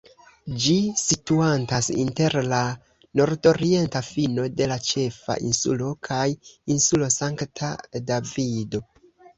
Ĝi situantas inter la nordorienta fino de la ĉefa insulo kaj Insulo Sankta Davido.